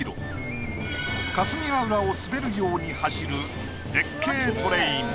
霞ヶ浦を滑るように走る絶景トレイン。